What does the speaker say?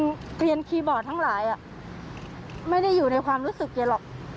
ร่วมข่าวออกไปตรงนี้ก็แสดงภาควิทยาลัยมาเก็บสิ่งเรียน